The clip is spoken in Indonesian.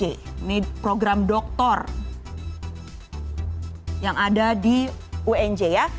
ini program doktor yang ada di unj ya